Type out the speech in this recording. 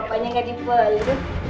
papanya nggak diperlu